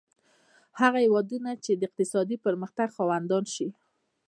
هغه هېوادونه چې اقتصادي پرمختګ خاوندان شي.